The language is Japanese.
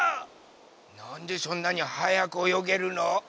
なんでそんなにはやくおよげるの？